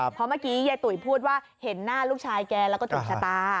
เพราะเมื่อกี้ยายตุ๋ยพูดว่าเห็นหน้าลูกชายแกแล้วก็ถูกชะตา